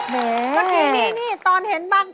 เม่ตอนนี้นี่ตอนเห็นบัง